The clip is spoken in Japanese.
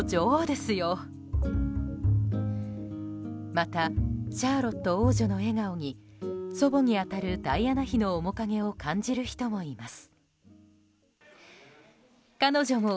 また、シャーロット王女の笑顔に祖母に当たるダイアナ妃の面影を感じる人もいます。